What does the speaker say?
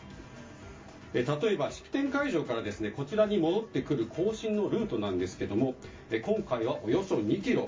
例えば式典会場からこちらに戻ってくる行進のルートなんですけれども今回は、およそ２ｋｍ。